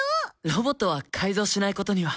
ロボットは改造しないことには。